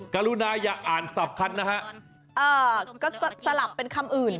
กรุณาอย่าอ่านสับคันนะฮะเอ่อก็สลับเป็นคำอื่น